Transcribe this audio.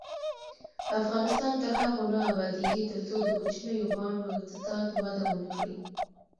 افغانستان تر هغو نه ابادیږي، ترڅو د کوچنیو بانډو اقتصاد وده ونه کړي.